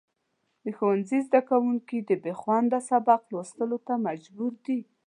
د ښوونځي زدهکوونکي د بېخونده سبق لوستلو ته مجبور دي.